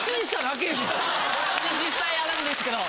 実際やるんですけど。